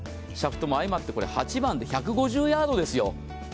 シャフトも相まってこれ８番で１５０ヤードですよ！